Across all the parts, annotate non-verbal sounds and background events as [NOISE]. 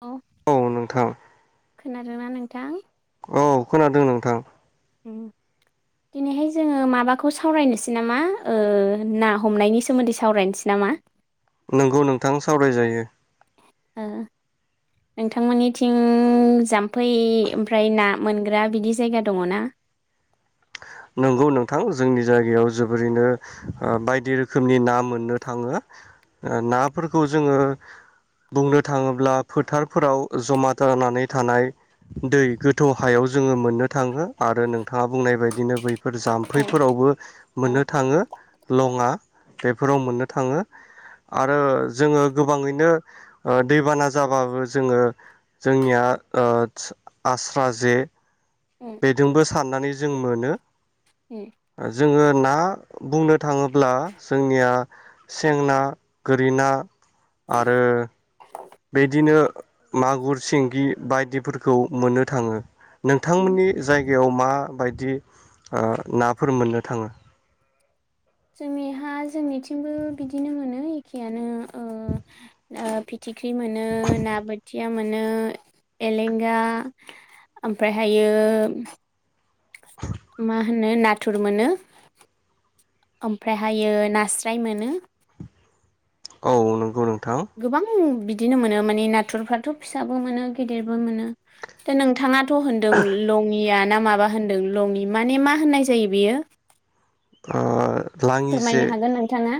औ । औ नोंथां । खोनादों ना नोंथां? औ खोनादों नोंथां । उम, दिनैहाय जोङो माबाखौ सावरायनोसै नामा? ओ ना हमनायनि सोमोन्दै सावरायनोसै नामा? नोंगौ नोंथां सावरायजायो । ओ, नोंथांमोननिथिं जाम्फै ओमफ्राय ना मोनग्रा बिदि जायगा दङ ना? नंगौ नोंथां। जोंनि जायगायाव जोबोरैनो ओ बायदि रोखोमनि ना मोननो थाङो। ओ नाफोरखौ जोङो बुंनो थाङोब्ला फोथारफोराव जमा दानानै थानाय दै गोथौ हायाव जोङो मोननो थाङो आरो नोंथाङा बुंनाय बाय बिदिनो बैफोर औ जाम्फैफोरावबो मोननो औ थाङो, लङा बेफोराव मोननो थाङो आरो जोङो गोबाङैनो ओ दैबाना जाबाबो जोङो जोंनिया ओतस आस्रा जे उम बेदोंबो साननानै जों मोनो । उम। जोङो ना बुंनो थाङोब्ला जोंनिया सें ना, गोरि ना आरो बिदिनो मागुर, सिंगि बायदिफोरखौ मोननो थाङो । उम नोंथांमोननि जायगायाव मा बायदि ओ ना फोर मोननो थाङो? जोंनिहा जोंनिथिंबो बिदिनो मोनो एखेयानो ओ, ओ फिथिख्रि मोनो ना बोथिया मोनो एलेंगा ओमफ्रायहायो मा होनो नाथुर मोनो, ओमफ्रायहायो नास्राय मोनो । औ नंगौ नों गोबां बिदिनो मोनो माने नाथुरफ्राथ' फिसाबो मोनो, गिदिरबो मोनो दो नोंथाङा थ' होनदों लङिया ना माबा होनदों लङि माने मा होननाय जायो बेयो? आ लाङि जे फोरमायनो हागोन नोंथाङा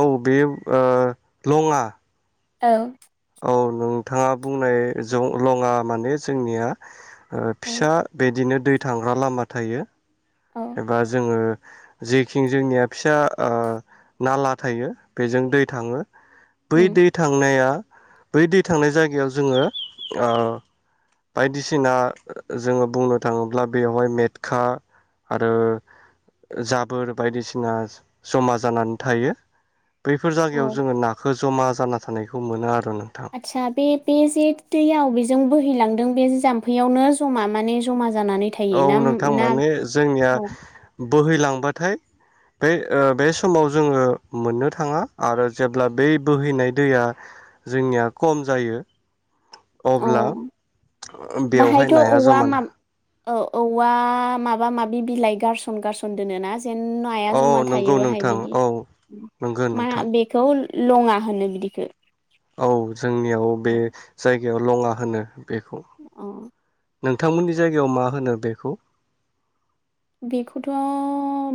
औ बे ओ लङा । औ । अ' नोंथाङा बुंनाय जं लङा माने जोंनिया ओ औ फिसा बिदिनो दै थांग्रा लामा थायो। औ एबा जोङो जेखिं जोंनिया फिसा नाला थायो बेजों दै थाङो। बै उम दै थांनाया बै दै थांनाय जायगायाव जोङो बायदिसिना जोङो बुंनो थाङोब्ला बेवहाय मेटखा आरो जाबोर बायदिसिना जमा जानानै थायो। बैफोर औ जागायाव जोङो नाखौ जमा जाना थानायखौ मोनो आरो। नोंथां आतसा बे बे जे दैयाव बेजों बोहैलांदों बे जामफैयावनो जमा माने जमा जानानै थायो औ ना नोंथां ना माने जोंनिया औ बोहैलांबाथाय बे बे समाव जोङो मोननो थाङा आरो जेब्ला बे बोहैनाय दैया जोंनिया खम जायो। औ अब्ला बेवहाय बाहायथ' नाया औवा जमा मा औ औवा माबा माबि बिलाइ गारसन गारसन दोनोना? जेन' नाया औ जमा थायो नंगौ बाहाय नोंथां बिदि औ नंगौ मा नोंथां बेखौ लङा होनो बिदिखो औ जोंनियाव बे जाय गायाव लङा होनो। बेखौ अ नोंथांमोननि जायगायाव मा होनो बेखौ बेखौथ'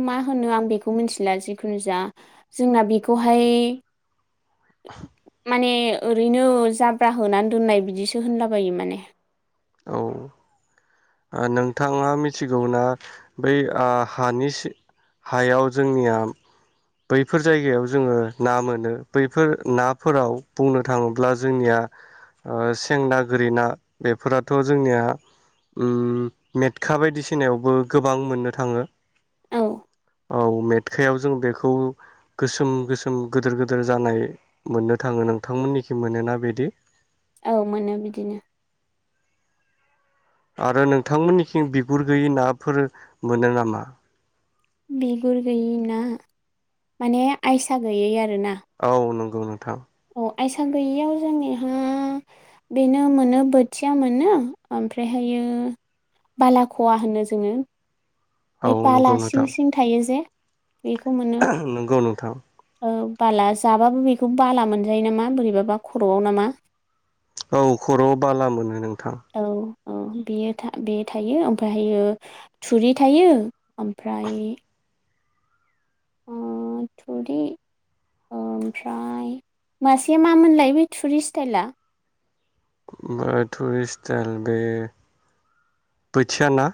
मा होनो आं बेखौ मिथिला जिखुनु जा जोंना बेखौहाय [INAUDIBLE] माने ओरैनो जाब्रा होनानै दोननाय बिदिसो होनलाबायो माने। औ नोंथाङा मिथिगौना बै हानि हायाव जोंनिया बैफोर जायगायाव जोङो ना मोनो बैफोर नाफोराव बुंनो थाङोब्ला जोंनिया सेंना गोरि ना बेफोराथ' जोंनिया मेटखा बायदिसिनायावबो गोबां मोननो थाङो। औ औ मेटखायाव जों बेखौ गोसोम गोसोम गोदोर गोदिर जानाय मोननो थाङो नोंथांमोननिखि मोनोना बिदि? औ मोनो बिदिनो आरो नोंथांमोननिखिं बिगुर गैयि नाफोर मोनो नामा? बिगुर गैयि ना माने आयसा गैयै आरो औ नों गौ नोंथां आयसा गैयियाव जोंनिहा बेनो मोनो बोथिया मोनो ओमफ्रायहायो बालाख'वा होनो जोङो औ ओमफ्राय नंगौ बाला सिं नोंथां सिं थायो जे बेखौ मोनो नंगौ नोंथां औ बाला जाबाबो बेखौ बाला मोनजायो नामा बोरैबाबा खर'आव नामा औ खर'आव बाला मोनो नों औ औ बेयो था बे थायो ओमफ्रायहायो थुरि थायो ओमफ्राय थुरि ओमफ्राय मासेया मामोनलाय बे थुरि स्टाइला ओमफ्राय टुरिस्ट स्टाइल बे बोथियाना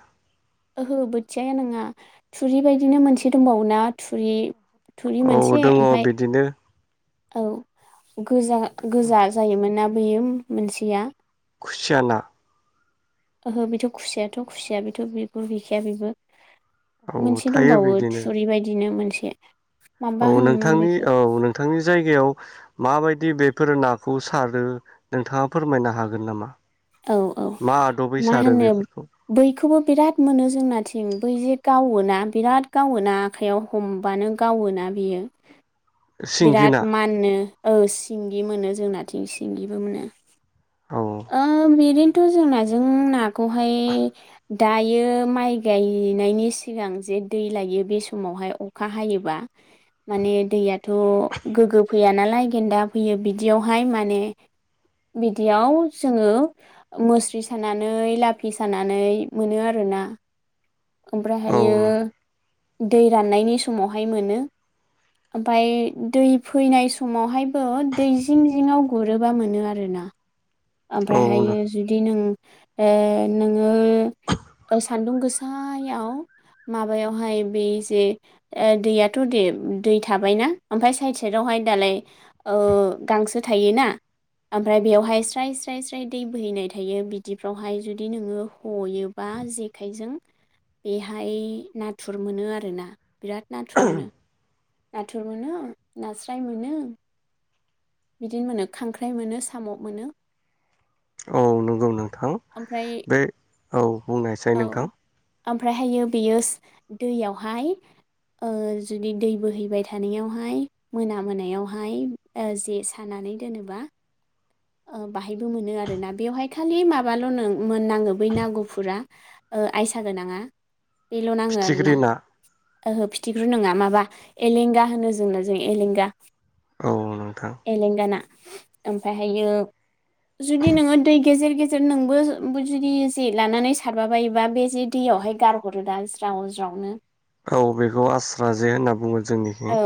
ओहो बोथियाया नङा थुरि बायदिनो मोनसे दंबावोना थुरि थुरि औ मोनसे दङ ओमफाय बिदिनो औ गोजा गोजा जायोमोन ना बेयो मोनसिया खुसियाना ओहो बेथ' खुसियााथ' खुसिया बेथ' बिगुर गैखाया बेबो औ मोनसे थायो दंबावो बिदिनो थुरि बायदिनो मोनसे से औ नोंथांनि औ नोंथांनि जायगायाव माबायदि बेफोर नाखौ सारो नोंथाङा फोरमायनो हागोन नामा औ औ मा आदबै मा सारो होनो बेफोरखौ बयखौबो बिराद मोनो जोंनाथिं बै जे गावोना बिराद गावोना आखाइयाव हमबानो गावोना बियो सिंगि बिराद ना माननो औ सिंगि मोनो जोंनाथिं सिंगिबो मोनो औ आ बिरिम थ' जोंनाजों जों नाखौहाय दायो माइ गायनायनि सिगां जे दै लायो बे समावहाय अखा हायोबा माने दैयाथ' गोग्गो फैया नालाय गेन्दा फैयो बिदियावहाय माने बिदियाव जोङो मुस्रि सानानै लाफि सानानै मोनो आरोना औ ओमफ्रायहायो दै राननायनि समावहाय मोनो ओमफ्राय दै फैनाय समावहायबो दै जिं जिङआव गुरोबा मोनो आरोना औ ओमफ्रायहायो जुदि नों ओ नोङो सान्दुं गोसायाव माबायावहाय बे जे दैयाथ' दे दै थाबायना ओमफ्राय साइड साइदआवहाय दालाय ओ गांसो थायोना ओमफ्राय बेयावहाय स्राय स्राय स्राय दै बोहैनाय थायो बिदिफ्रावहाय जुदि नोङो हयोबा जेखाइजों बेहाय नाथुर मोनो आरोना बिराद नाथुर मोनो नाथुर मोनो नास्राय मोनो बिदिनो मोनो खांख्राइ मोनो साम' मोनो औ नंगौ नोंथां ओमफ्राय बेै औ बुंनायसै औ नोंथां ओमफ्रायहायो बेयो दैयावहाय ओ जुदि दै बोहैबाय थानायावहाय मोना मोनायावहाय जे सानानै दोनोबा बाहायबो मोनो आर ना बेवहाय खालि माबाल' नों मोननाङो बै नागुफुरा ओ आयसा गोनांङा बेल' नांङो आरो ना ओहो फिथिख्रु नंङा माबा एलेंगा होनो जोंनो जों एलेंगा औ नोंथां तेलेंगा ना ओमफ्राय ओमफ्रायो जुदि नोंङो दै गेजेर-गेजेर नोंबो जुदि जे लानानै सारबा बायोबा बे जे दैयावहाय गारहरो दा ज्राव ज्रावनो औ बेखौ आस्रा जे होनना बुंङो। औ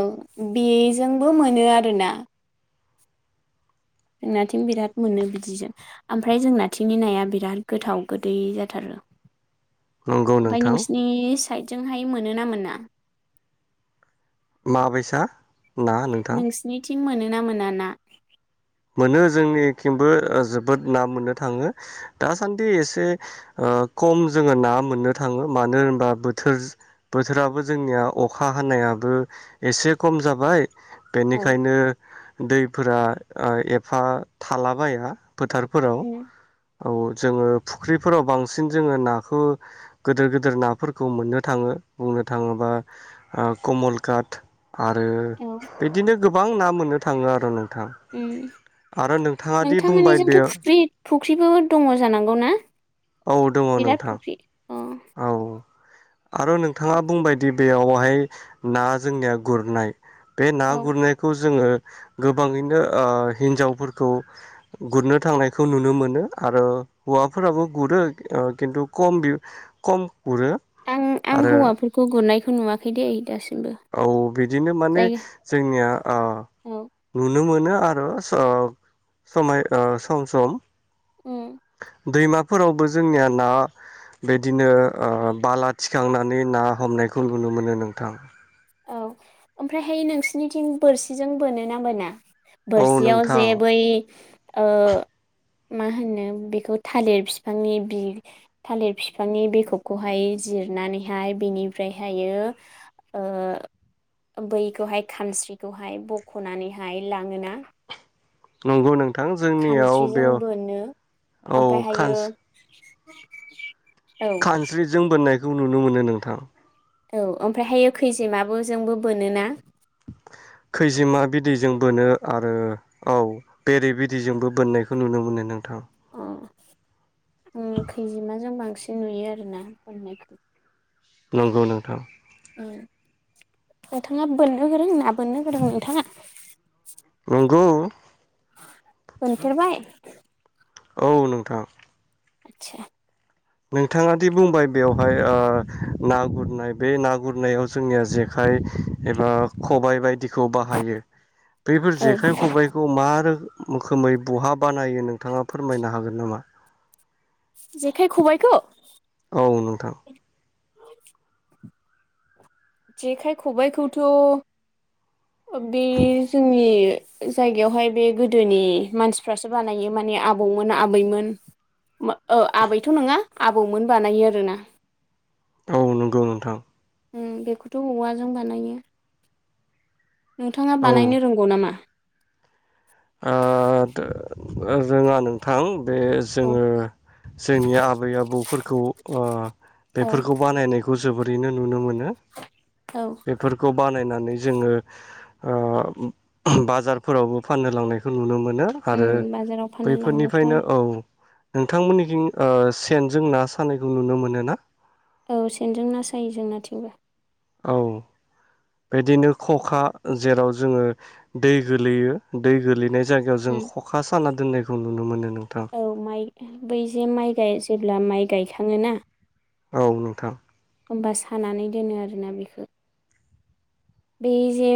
बे जोंबो मोनो आरोना जोंनाथिं बिराद मोनो बिदिजों ओमफ्राय जोंनाथिंनि नाया बिराद गोथाव गोदै जाथारो। नंगौ ओमफ्राय नोंथां नोंसिनि साइद जोंहाय मोनोना मोना बाबैसा ना नोंथां थिं मोनोना मोना ना? मोनो जोंनि थिंबो ओ जोबोद ना मोननो थांङो दासान्दि एसे ओ खम जोंङो ना मोननो थांङो मानो होनबा बोथोर बोथोराबो जोंनिया अखा हानायाबो एसे खम जाबाय। औ बेनिखायनो दैफोरा ओ एफा थालाबाया फोथारफोराव उम औ जोंङो फुख्रिफोराव बांसिन जोंङो नाखौ गोदोर-गोदोर नाफोरखौ मोननो थाङो बुंनो था थांङोबा कमलकाट आरो औ बिदिनो गोबां ना मोननो थांङो आरो नोंथां उम आरो नोंथाङा दि बुंबाय बे नोंथांमोननिजोंथ' औ फुख्रि फुख्रिबो दंङ जानांगौ ना दङ बिराद नोंथां फुख्रि अ औ आरो नोंथांङा बुंबायदि बेयावहाय ना जोंनिया गुरनाय बे ना औ गुरनायखौ जोंङो गोबांङैनो ओ हिन्जावफोरखौ गुरनो थांनायखौ नुनो मोनो आरो हौवाफोराबो गुरो खिन्थु खम खम गुरो आं आं आरो हौवाफोरखौ गुरनाय नुवाखै दै दासो औ बिदिनो माने जोंनिया आ औ नु नो मोनो आरो स समाय ओ सम सम उम दैमाफोरावबो जोंनिया ना बिदिनो बाला थिखांनानै ना हमनायखौ नुनो मोनो नोंथां औ ओमफ्रायहाय नोंसिनिथिं बोरसिजों बोनो ना बोना औ बोरसियाव जे नोंथां बै ओ मा होनो बेखौ थालिर फिफांनि बि थालिर फिफांनि बिखबखौहाय जिरनानैहाय बिनिफ्राय हायो ओ बैखौहाय खानस्रिखौहाय बखनानैहाय लाङोना नंगौ नों खानस्रिजों बोनो औ ओमफ्रायहायो औ खानस्रिजों बोननाय खौ नुनो मोनो नोंथां औ ओमफ्रायहायो खैजेमाबो जोंबो बोनोना खैजिमा बिदैजों बोनो आरो औ बेरे बिदैजोंबो बोननायखौ नुनो मोनो नोंथां अ ओं खैजिमाजों बांसिन नुयो आरोना बोननायखौ नंगौ नोंथां ओ नोंथाङा बोननो गोरों ना बोननो गोरों नोंथाङा नोंगौ मोनफेरबाय औ नोंथां आतसा नोंथाङा दि बुंबाय बेवहाय ओ ना गुरनाय बे ना गुरनायाव जोंनिया जेखाइ एबा खबाइ बायदि खौ बाहायो बैफोर औ जेखाइ खबाइखौ मा रो मोखोमै बहा बानायो नोंथाङा फोरमायनो हागोन नामा जेखाइ खबाइखौ औ नोंथां [INAUDIBLE] जेखाइ खबाइखौथ बे जोंनि जायगायावहाय बे गोदोनि मानसिफ्रासो बानायो माने आबौमोन आबैमोन आबैथ नङा आबौमोन बानायो आरोना औ नंगौ नोंथां ओ बेखौथ औवाजों बानायो नोंथाङा औ बानायनो रोंगौ नामा आं रोङा नोंथां बे औ जोङो जोंनि आबै आबौफोरखौ औ बेफोरखौ बानायनायखौ जोबोद रैनो नुनो मोनो औ बेफोरखौ बानायनानै जोङो ओ बाजारफोरावबो फाननो लांनायखौ नुनो मोन नो आरो उम बाजाराव फाननो लाङोथ' बैफोरनिफ्रायनो औ नोंथांमोननिथिं ओ सेनजों ना सानायखौ नुनो मोनो ना औ सेन जों ना सायो जोंना थेवौ औ बेदिनो खखा जेराव जोंङो दै गोलैयो दै गोलैनाय जायगायाव जों उम खखा साना दोननाय नुनो मोनोनो औ माइ बै जे माइ गाय जेब्ला माइ गायखांङोना औ नोंथां। होमबा सानानै दोनो आरोना बेखो बे जे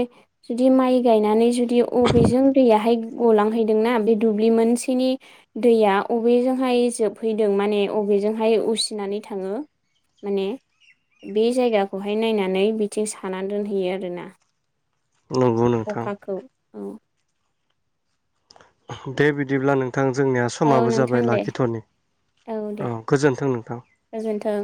जुदि माइ गायनानै जुद यो अबेजों दैयाहाय गलांहैदोंना बे दुब्लि मोनसेनि दैया अबेजोंहाय जोबहैदों माने अबेजोंहाय उसिनानै थांङो माने बे जायगाखौहाय नायनानै बिथिं साना दोनहैयो आ रो ना नंगौ नोंथां। औ दे बिदिब्ला नों नोंथां जोंनिया समा औ बो नोंथां जाबाय दे लाखिथरनि औ गोजोन्थों नोंथां। गोजोन्थों